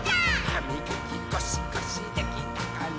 「はみがきゴシゴシできたかな？」